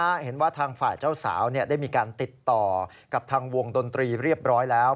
มีแน่เห็นว่าธางฝ่ายเจ้าสาวได้ติดต่อกับวงดนตรีเรียบร้อยแล้ว